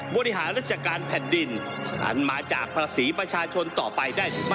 บริหารราชการแผ่นดินอันมาจากภาษีประชาชนต่อไปได้หรือไม่